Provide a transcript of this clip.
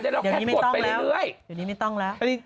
อย่างนี้ไม่ต้องแล้ว